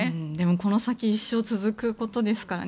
この先一生続くことですからね